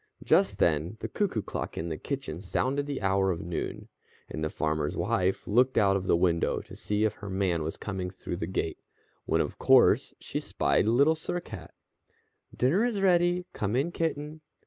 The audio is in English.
Just then the Cuckoo Clock in the kitchen sounded the hour of noon, and the farmer's wife looked out of the window to see if her man was coming through the gate, when, of course, she spied Little Sir Cat. "Dinner is ready. Come in, Kitten!"